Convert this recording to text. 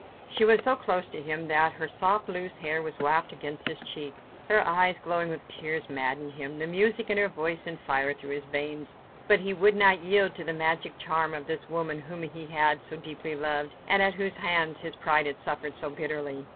She was so close to him that her soft, loose hair was wafted against his cheek; her eyes, glowing with tears, maddened him, the music in her voice sent fire through his veins. But he would not yield to the magic charm of this woman whom he had so deeply loved, and at whose hands his pride had suffered so bitterly.